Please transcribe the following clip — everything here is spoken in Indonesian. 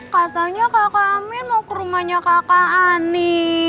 katanya kak kang amin mau ke rumahnya kak kang ani